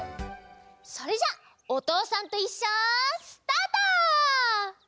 それじゃ「おとうさんといっしょ」スタート！